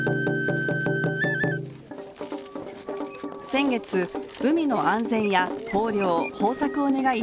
先月、海の安全や豊漁、豊作を願い